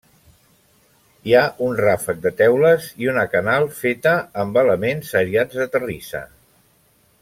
Hi ha un ràfec de teules i una canal feta amb elements seriats de terrissa.